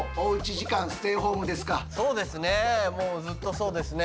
そうですね。